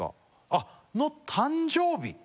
あっの誕生日？